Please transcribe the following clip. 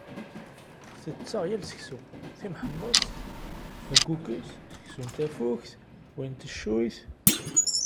Tetteɣ yal seksu: timḥemmeṣt, berkukes, seksu n tafukt, win n teccuyt...